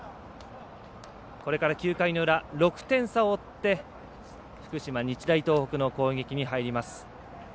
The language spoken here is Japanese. これから９回の裏６点差を追って福島、日大東北の攻撃に入ります。